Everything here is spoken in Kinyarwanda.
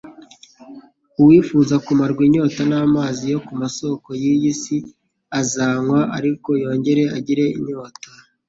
Uwifuza kumarwa inyota n’amazi yo ku masoko y’iyi si azanywa ariko yongere agire inyota